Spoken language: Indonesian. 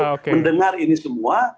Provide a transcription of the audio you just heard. mendengar ini semua